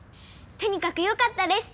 とにかくよかったです！